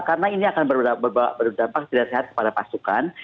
karena ini akan berdampak tidak sehat kepada pasukan